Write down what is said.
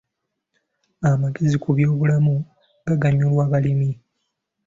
Amagezi ku byobulamu gaganyula balimi.